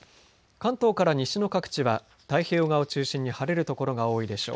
関東から西の各地は太平洋側を中心に晴れる所が多いでしょう。